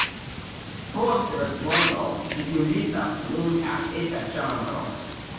Post respondo, ŝi invitas min al eta ĉambro.